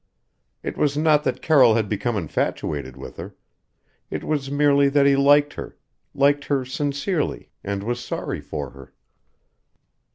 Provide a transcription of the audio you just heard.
It was not that Carroll had become infatuated with her. It was merely that he liked her liked her sincerely and was sorry for her.